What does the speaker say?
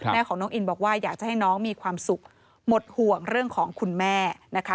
แม่ของน้องอินบอกว่าอยากจะให้น้องมีความสุขหมดห่วงเรื่องของคุณแม่นะคะ